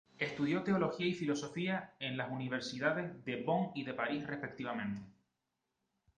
Estudió teología y filosofía en las universidades de Bonn y de París respectivamente.